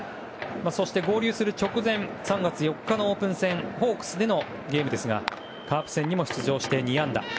そして合流直前３月４日のオープン戦ホークスでのゲームですがカープ戦にも出場して２安打。